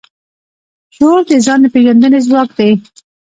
شعور د ځان د پېژندنې ځواک دی.